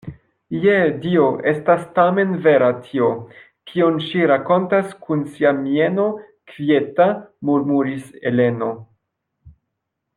Je Dio! Estas tamen vera tio, kion ŝi rakontas kun sia mieno kvieta, murmuris Heleno.